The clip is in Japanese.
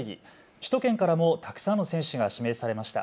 首都圏からもたくさんの選手が指名されました。